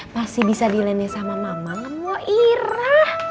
masih bisa dilenya sama mama ngemoira